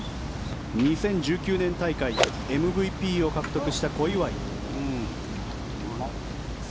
２０１９年大会ＭＶＰを獲得した小祝。